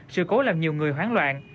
sự cố làm nhiều người hoảng loạn